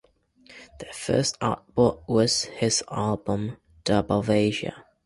Their first output was his album, "Dub of Asia".